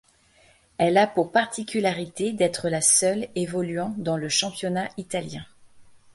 Elle a pour particularité d'être la seule évoluant dans le championnat italien.